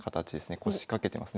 腰掛けてますね。